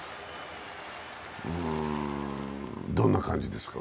どんな感じですか？